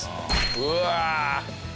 うわ！